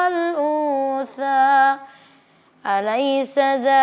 aku mau bekerja